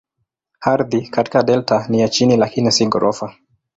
Ardhi katika delta ni ya chini lakini si ghorofa.